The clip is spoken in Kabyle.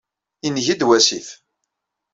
Ingi-d wasif.